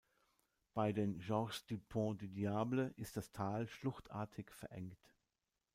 Bei den "Gorges du Pont du Diable" ist das Tal schluchtartig verengt.